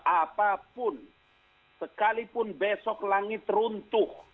apapun sekalipun besok langit runtuh